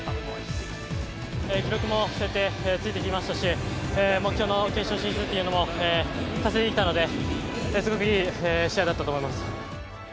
記録もそうやってついてきましたし、目標の決勝進出っていうのも達成できたので、すごくいい試合だったと思います。